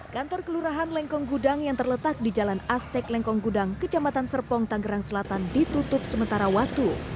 kantor kelurahan lengkong gudang yang terletak di jalan astek lengkong gudang kecamatan serpong tanggerang selatan ditutup sementara waktu